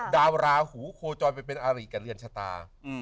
ดาวราหูโคจรไปเป็นอาริแก่เลือนชะตา